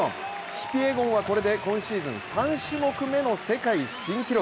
キピエゴンはこれで今シーズン３種目めの世界新記録。